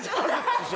師匠。